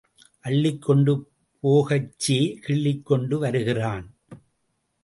அள்ளிக் கொண்டு போகச்சே கிள்ளிக்கொண்டு வருகிறான்.